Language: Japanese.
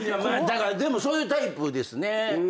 でもそういうタイプですね。